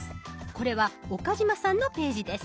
これは岡嶋さんのページです。